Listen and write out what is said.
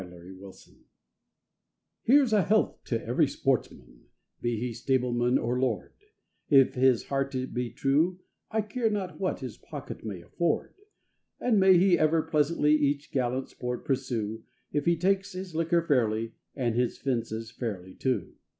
A Hunting Song Here's a health to every sportsman, be he stableman or lord, If his heart be true, I care not what his pocket may afford; And may he ever pleasantly each gallant sport pursue, If he takes his liquor fairly, and his fences fairly, too.